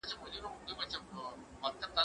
که وخت وي، سبزېجات جمع کوم.